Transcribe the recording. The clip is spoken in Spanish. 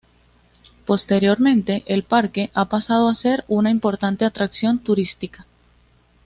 Posteriormente, el parque ha pasado a ser una importante atracción turística.